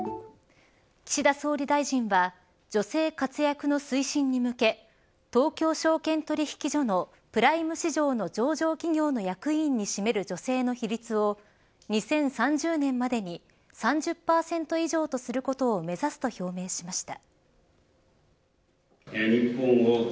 岸田総理大臣は女性活躍の推進に向け東京証券取引所のプライム市場の上場企業の役員に占める女性の比率を２０３０年までに３０％以上とすることを目指すと表明しました。